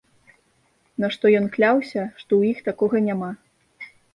На што ён кляўся, што ў іх такога няма.